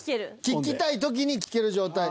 聞きたい時に聞ける状態。